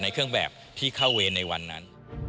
เครื่องแบบที่เข้าเวรในวันนั้น